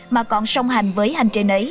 mà còn song hành với hành trình ấy